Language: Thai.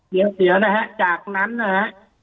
เดี๋ยวนะฮะจากนั้นนะฮะ